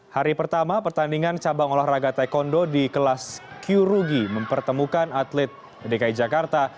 hari pertama pertandingan cabang olahraga taekwondo di kelas kyurugi mempertemukan atlet dki jakarta